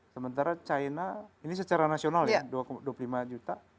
sementara china ini secara nasional ya dua puluh lima juta